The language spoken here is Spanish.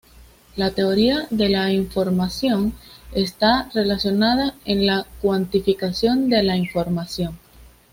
La teoría de la información está relacionada a la cuantificación de la información.